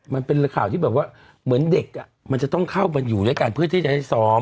มันเป็นข่าวที่แบบว่าเหมือนเด็กมันจะต้องเข้ามาอยู่ด้วยกันเพื่อที่จะได้ซ้อม